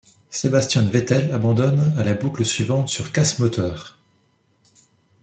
Sebastian Vettel abandonne à la boucle suivante sur casse moteur.